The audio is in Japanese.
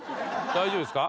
大丈夫ですか？